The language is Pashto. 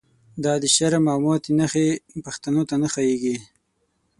دا دشرم او ماتی نښی، پښتنوته نه ښاییږی